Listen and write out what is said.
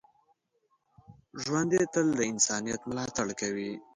ژوندي تل د انسانیت ملاتړ کوي